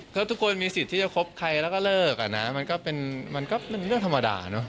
เพราะทุกคนมีสิทธิ์ที่จะคบใครแล้วก็เลิกมันก็เป็นเรื่องธรรมดา